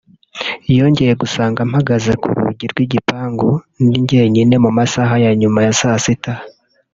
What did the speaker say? yongeye kunsanga mpagaze ku rugi rw’igipangu ndi jyenyine mu masaha ya nyuma ya saa sita